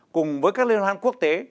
cùng với các liên hoan quốc tế